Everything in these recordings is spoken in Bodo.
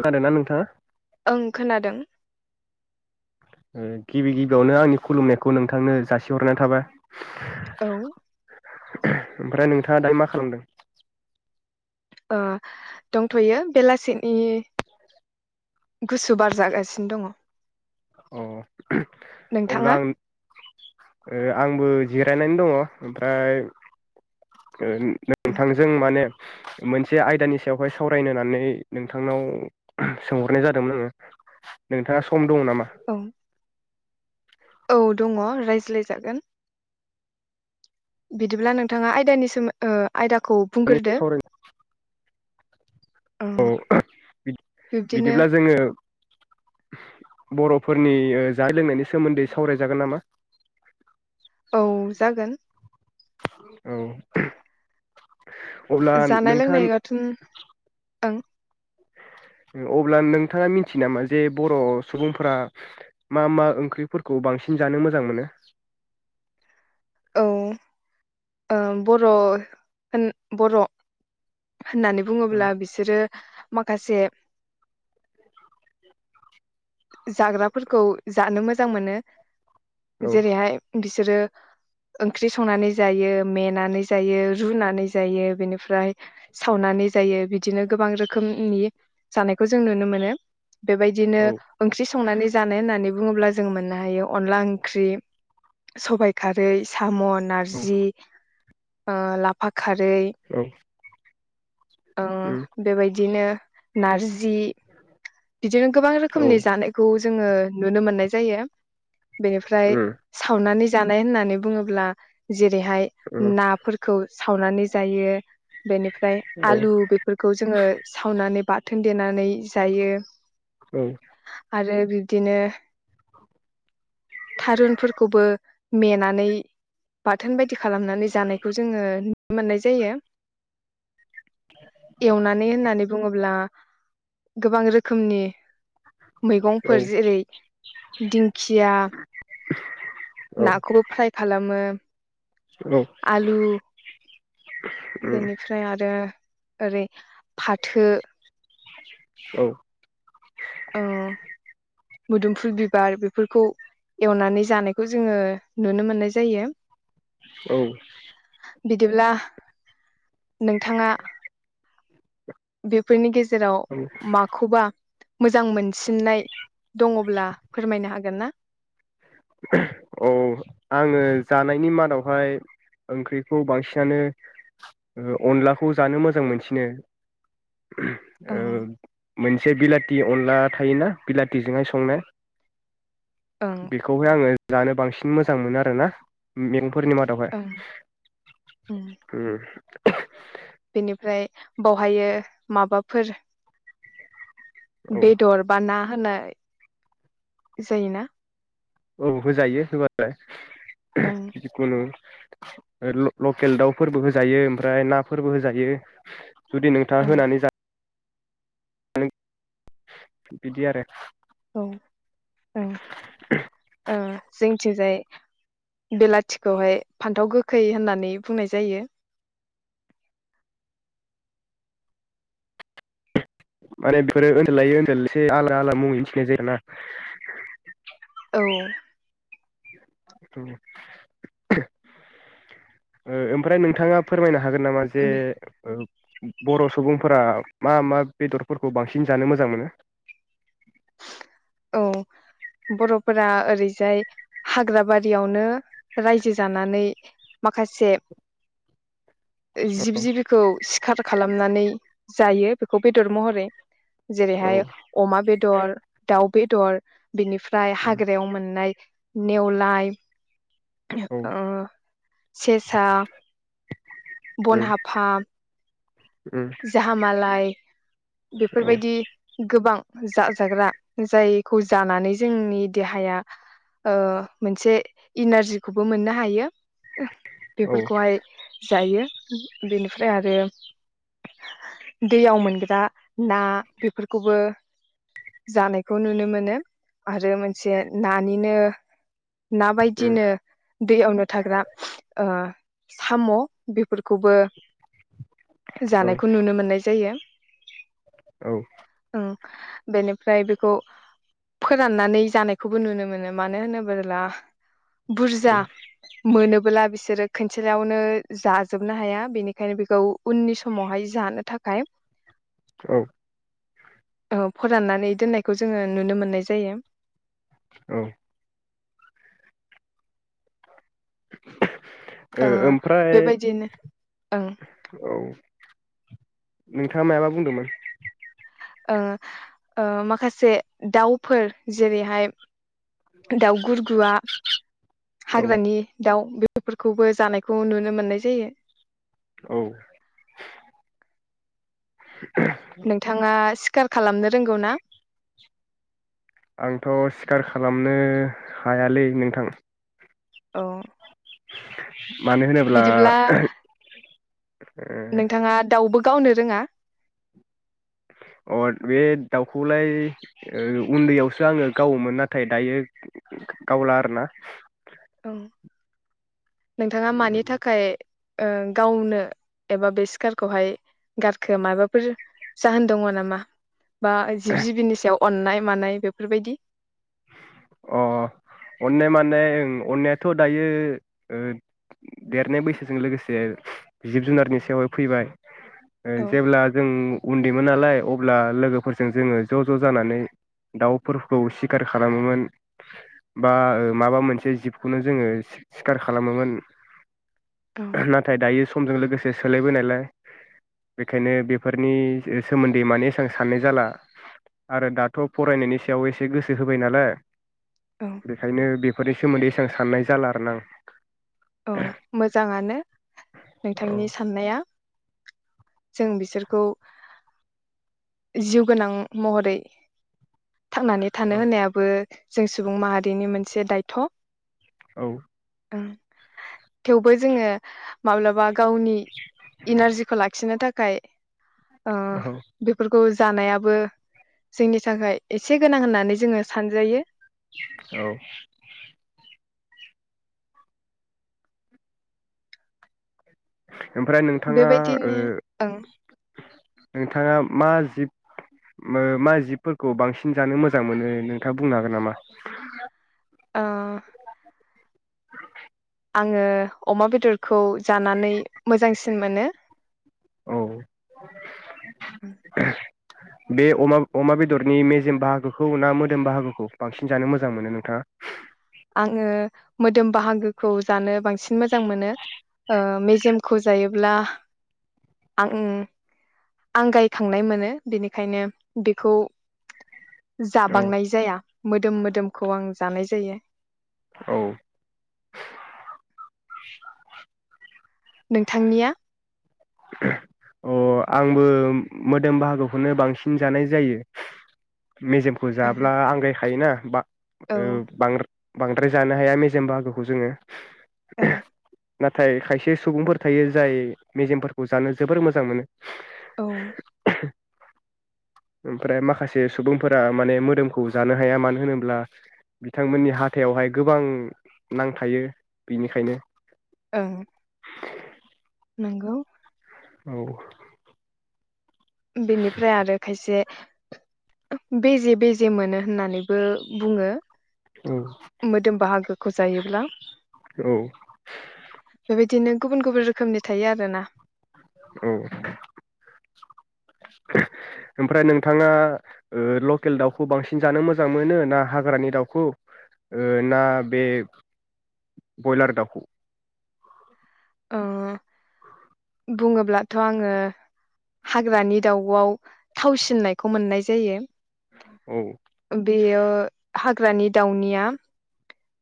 खोनादोंना नोंथाङा? ओं खोनादों ओ गिबि गिबियावनो आंनि खुलुमनायखौ नोंथांनो जासिहरनाय थाबाय, औ ओमफ्राय नोंथाङा दायो मा खालामदों? ओ दंथ'यो बेलासिनि गुसु बार जागासिनो दङ। अ' नोंथाङा अब्ला आं ओ आं आंबो जिरायनानै दङ ओमफ्राय, ओ नोंथांजों माने मोनसे आयदानि सायावहाय सावरायनो होननानै नोंथांनाव सोंहरनाय जादोंमोन आङो नोंथाङा सम- दं नामा? औ औ दङ रायज्लायजागोन। बिदिब्ला नोंथाङा आयदानि सोमो ओ आयदा खौ बुंग्रोदो। सावरायनो ओ औ! बिब्दिनो बिदिब्ला जोङो बर'फोरनि ओ जानाय लोंनायनि सोमोन्दै सावरायजागोन नामा? औ! जागोन। औ, अब्ला जानाय नोंथाङा लोंनाय आथ' ओं अब्ला नोंथाङा मिथियो नामा जे बर' सुबुंफोरा मा मा ओंख्रिफोरखौ बांसिन जानो मोजां मोनो? औ, ओ! बर' होन बर' होननानै औ बुङोब्ला बिसोरो माखासे, जाग्राफोरखौ जानो मोजां मोनो जेरैहाय बिस सोरो ओंख्रि संनानै जायो मेनानै जायो रुनानै जायो बेनिफ्राय सावनानै जायो बिदिनो गोबां रोखोमनि जानायखौ जों नुनो मोनो। बेबायदिनो औ औ ओंख्रि संनानै जानाय होननानै बुंङोब्ला जों मोननो हायो अनला ओंख्रि सबाइ खारै। साम' नारजि ओ लाफा खारै। औ ओ उम बेबायदिनो नारज जि बिदिनो गोबां औ रोखोमनि जानायखौ जोङो नुनो मोननाय जायो। बेनिफ्राय उम उम सावनानै जानाय होननानै बुङो ब्ला। जेरैहाय औ नाफोरखौ सावनानै जायो। बेनिफ्राय आलु बेफोरखौ जोङो सावनानै बा थोन देनानै जायो। ओं। आरो बिब्दिनो थारुनफोरखौबो मेनानै बाथोन बायदि खालामनानै जानायखौ जोङो नुनो मोननाय जायो, एवनानै होननानै बुङोब्ला गोबां रोखोमनि औ मैगंफोर जेरै दिंखिया औ नाखौबो फ्राय खालामो। उम आलु बेनिफ्राय आरो ओरै फाथो। औ। ओ मोदोमफुल बिबार बेफोरखौ एवनानै जानायखौ जोङो नुनो मोननाय जायो। औ बिदिब्ला नोंथाङा बेफोरनि गेज जेराव माखौबा मोजां मोनसिननाय दङब्ला फोरमायनो हागोन ना? औ आङो जानायनि मादावहाय ओंख्रिखौ बांसिनानो ओ अनलाखौ जानो मोजां मोनसिनो ओं मोनसे बिलाथि अनला थायोना बिलाथिजोंहाय संनाय ओं बेखौहाय आङो जानो बांसिन मोजां मोनो आरो ना हम फोरनि मादावहाय ओं उम ओम बेनिफ्राय बावहायो माबाफोर औ बेदर बा ना होननाय जायोना औ होजायो होबालाय ओं जिखुनु ल लकेल दाउफोरबो होजायो ओमफ्राय नाफोरबो होजायो जुदि नोंथाङा ओं होनानै जा बिदि आरो औ [unintelligible] थिंजाय बेलाथिखौहाय फान्थाव गोखै होननानै बुंनाय जायो माने बेफोरो ओन्दोल लायै ओनोलसे आलादा आलादा मुंङै मिथिनाय जायोना औ। ओ ओमफ्राय नोंथाङा फोरमायनो हागोन नामा जे बे ओ बर' सुबुंफोरा मा-मा बेदरफोरखौ बांसिन जानो मोजां मोनो। औ बर'फोरा ओरैजाय हाग्राबारियावनो रायजो जानानै माखासे जिब-जिबिखौ सि खार खालामनानै जायो बेखौ बेदर महरै। औ जेरैहाय अमा बेदर दाउ बेदर बिनिफ्राय हाग्रायाव मोननाय नेवलाय औ ओ सेसा बन हाफा जाहामालाय बेफोरबायदि गोबां जाजाग्रा जायखौ जानानै जोंनि देहाया ओ मोनसे इनारजिखौबो मोननो हायो। औ बेफोरखौहाय जायो बेनिफ्राय आरो दैयाव मोनग्रा ना बेफोरखौबो जानायखौ नुनो मोनो आरो मोनसे नानिनो ना औ बायदिनो दैयावनो थाग्रा ओ साम' बेफोरखौबो जानायखौ नुनो मोननाय जायो। औ। ओं बेनिफ्राय बेखौ फोराननानै जानायखौबो नुनो मोनो मानो होनोब्ला बुरजा मोनो [unintelligible] बिसोरो खनसेयावनो जाजोबनो हाया बेनिखायनो बेखौ उननि समावहाय जानो थाखाय औ। ओ फोराननानै दोननायखौ जोङो नुनो मोननाय जायो। औ। [unintelligible] ओ ओमफ्राय बेबायदिनो ओं औ नोंथाङा मायाबा बुंदोंमोन। ओ-ओ माखासे दाउफोर जेरैहाय दाउ गुरगुवा औ हाग्रानि दाउ बे बेफोरखौबो जानायखौ नुनो मोननाय जायो। औ नोंथाङा सिकार खालामनो रोंगौ ना? आंथ' सिखार खालामनो हायालै नोंथां। औ। मानो होनोब्ला बिदिब्ला नोंथाङा दाउबो गावनो रोङा? अ बे दाउखौलाय ओ उन्दैयावसो आङो गावोमोन नाथाय दायो गावला आरोना। औ। नोंथाङा मानि थाखाय ओ गावनो एबा बे सिखारखौहाय गारखो माबाफोर जाहोन दङ नामा? बा जिब- जिबिनि सायाव अननाय मानाय बेफोरबायदि अ अन्नाय माने ओ अन्नायाथ' दायो देरनाय बैसोजों लोगोसे जिब -जुनारनि सायावहाय फैबाय औ जेब्ला जों उन्दैमोन नालाय अब्ला लोगोफोरजों जोङो ज' ज' जानानै दाउफोरखौ [unintelligible] [unintelligible] खालामोमोन बा माबा मोनसे जिबखौनो जोङो सिखार खालामोमोन औ नाथाय दायो समजों लोगोसे सोलायबोनायलाय बेखायनो बेफोरनि सोमोन्दै माने एसां साननाय जाला आरो दाथ' फरायनायनि सायाव एसे गोसो गोहो होबाय नालाय। औ बेखायनो बे फोरनि सोमोन्दै एसेबां साननाय जाला आरो ना आं। औ मोजाङानो औ नोंथांनि साननाया। जों बिसोरखौ जिउ गोनां महरै थांनानै थानो औ होननायाबो जों सुबुं माहारिनि मोनसे दायथ'। औ। उम। थेवबो जोङो माब्लाबा गावनि इनारजिखो लाखिनो थाखाय ओ औ बेफोरखौ जानायाबो जोंनि थाखाय एसे गोनां होननानै जोङो सानजायो। औ ओमफ्राय नोंथाङा ओ बेबायदिनो ओं नोंथाङा मा जिब मा जिबफोरखौ बांसिन जानो मोजां मोनो नोंथाङा बुंनो हागोन नामा? औ। आङो अमा बेदरखौ जानानै मोजांसिन मोनो। औ बे अमा अमा बेदरनि मेजेम बाहागोखौ ना मोदोम बाहागोखौ बांसिन जानो मोजां मोनो नोंथाङा? आङो मोदोम बाहागोखौ जानो बांसिन मोजां मोनो ओ मेजेमखौ जायोब्ला आं आंगायखांनाय मोनो बेनिखायनो बेखौ औ जाबांनाय जाया। मोदोम मोदोमखौ आं जानाय जायो। औ नोंथांनिया अ आंबो मोदोम बाहागोखौनो बांसिन जानाय जायो मेजेमखौ जाब्ला आंगायखायोना बा औ ओ ओं बांद्रा बांद्राय जानो हाया मेजेम बाहागोखौ जोङो [unintelligible] नाथाय खायसे सुबुंफोर थायो जाय मेजेमफोर जानो जोबोर मोजां मोनो। औ ओमफ्राय माखासे सुबुंफोरा माने मोदोमखौ जानो हाया मानो होनोब्ला बिथांमोननि हाथायावहाय गोबां नांथायो बिनिखायनो ओं। नोंगौ। औ। बेनिफ्राय आरो खायसे बेजे बेजे मोनो होननानैबो बुङो। औ मोदोम बाहागोखौ जायोब्ला बेबायदिनो गुबुन गुबुन रोखोमनि थायो आरोना औ ओमफ्राय नोंथाङा लकेल दाउखौ बांसिन जानो मोजां मोनो ना हाग्रानि दाउखौ ना बे बयलार दाउखौ ओ बुङोब्लाथ' आङो हाग्रानि दाउआव थावसिननायखौ मोननाय जायो औ बेयो हाग्रानि दाउनिया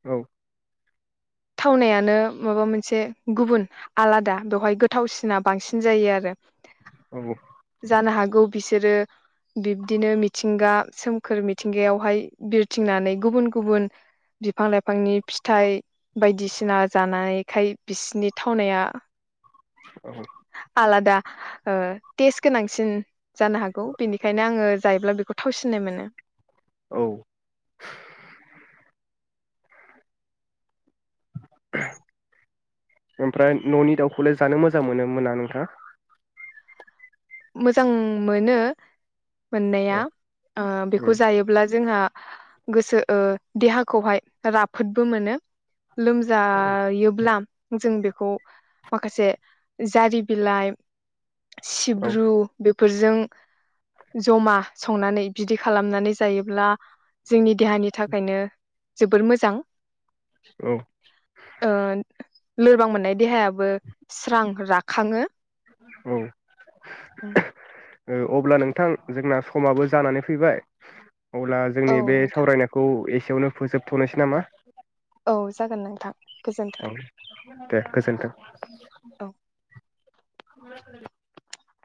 औ थावनायानो माबा मोनसे गुबुन आलादा बेवहाय गोथावसिना बांसिन जायो आरो औ जानो हागौ बिसोरो बिब्दिनो मिथिंगा सोमखोर मिथिंगायावहाय बिरथिंनानै गुबुन गुबुन बिफां लाइफांनि फिथाइ बायदिसिना जानायखाय बिसिनि थावनाया औ आलादा टेस गोनांसिन जानो हागौ बेनिखायनो आङो जायोब्ला बेखौ थावसिननाय मोनो औ ओमफ्राय न'नि दाउखौलाय जानो मोजां मोनो मोना नोंथाङा मोजां मोनो मोननाया औ बेखौ जायोब्ला जोंहा गोसो देहाखौहाय राफोदबो मोनो लोमजायोब्ला जों बेखौ माखासे जारि बिलाइ [inaudible] ब्रु बे फोरजों जमा संनानै बिदि खालामनानै जायोब्ला जोंनि देहानि थाखायनो जोबोर मोजां औ ओ लोरबां मोननाय देहायाबो स्रां राखङो औ औ अब्ला नोंथां जोंना समाबो जानानै फैबाय अब्ला औ जोंनि बे नोंथां सावरायनायखौ एसे सेयावनो फोजोबथ'नोसै नामा औ जागोन नोंथां गोजोन्थों औ दे गोजोनथों [inaudible] औ